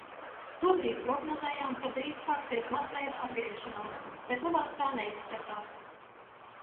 Tobrīd prognozējām, ka drīz sāksies masveida atgriešanās, bet nu vairs tā neizskatās.